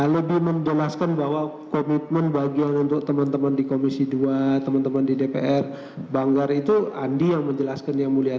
lebih menjelaskan bahwa komitmen bagian untuk teman teman di komisi dua teman teman di dpr banggar itu andi yang menjelaskan yang mulia